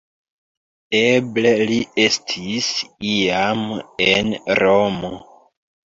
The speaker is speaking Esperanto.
Eble li estis iam en Romo.